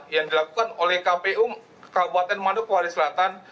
yang dilakukan oleh kpu kabupaten manokwari selatan